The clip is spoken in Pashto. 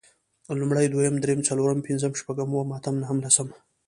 لومړی، دويم، درېيم، څلورم، پنځم، شپږم، اووم، اتم نهم، لسم